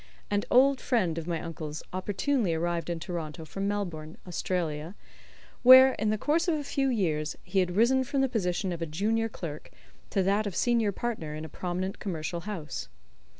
An old friend of my uncle's opportunely arrived in Toronto from Melbourne, Australia, where, in the course of a few years, he had risen from the position of a junior clerk to that of senior partner in a prominent commercial house.